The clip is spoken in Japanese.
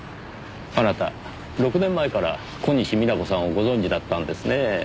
あなた６年前から小西皆子さんをご存じだったんですねぇ。